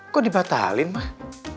kok dibatalin mah